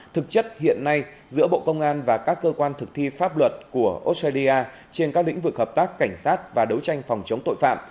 thực chất hiện nay giữa bộ công an và các cơ quan thực thi pháp luật của australia trên các lĩnh vực hợp tác cảnh sát và đấu tranh phòng chống tội phạm